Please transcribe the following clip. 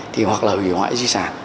thì hoặc là hủy hoại di sản